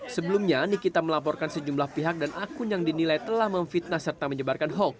sebelumnya nikita melaporkan sejumlah pihak dan akun yang dinilai telah memfitnah serta menyebarkan hoax